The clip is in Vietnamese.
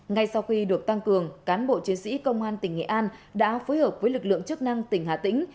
ngay sau khi được tăng cường cán bộ chiến sĩ công an tỉnh nghệ an đã phối hợp với lực lượng chức năng tỉnh hà tĩnh